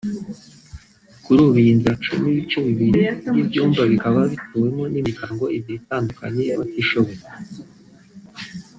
Kuri ubu iyi nzu yaciwemo ibice bibiri by’ibyumba bikaba bituwemo n’imiryango ibiri itandukanye y’abatishoboye